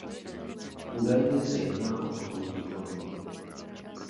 Údajně se jedná o potomky Chodů.